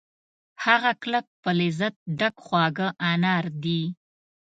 هغه کلک په لذت ډک خواږه انار دي